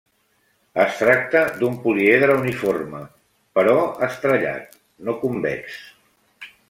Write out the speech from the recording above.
Es tracta d'un políedre uniforme, però estrellat, no convex.